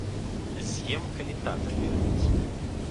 З'ем, калі тата вернецца.